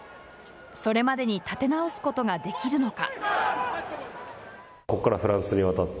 それまでに立て直すことができるのか。